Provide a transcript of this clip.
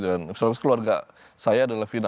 misalnya keluarga saya adalah vina